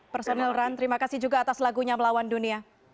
personal run terima kasih juga atas lagunya melawan dunia